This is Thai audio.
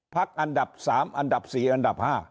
อันดับ๓อันดับ๔อันดับ๕